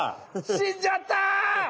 しんじゃった！